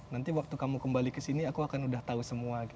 nanti waktu kamu kembali ke sini aku akan udah tahu semua